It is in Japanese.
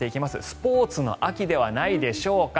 スポーツの秋ではないでしょうか。